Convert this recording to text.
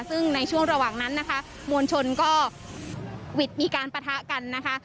ซึ่งในช่วงระหว่างนั้นนะคะมวลชนก็หวิดมีการปะทะกันนะคะ